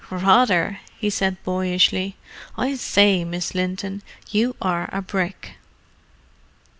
"Rather!" he said boyishly. "I say, Miss Linton, you are a brick!"